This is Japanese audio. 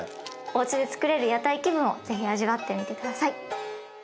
おうちでつくれる屋台気分を是非味わってみて下さい。